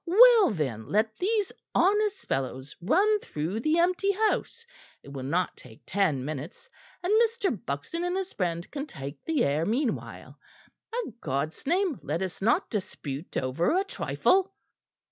Well, then, let these honest fellows run through the empty house; it will not take ten minutes, and Mr. Buxton and his friend can take the air meanwhile. A God's name, let us not dispute over a trifle."